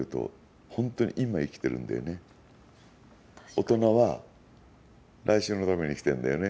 大人は来週のために生きてるんだよね。